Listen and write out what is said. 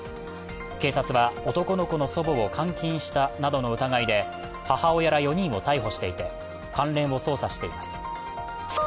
警察は男の子の祖母を監禁したなどの疑いで母親ら４人を逮捕していて関連を捜査しています。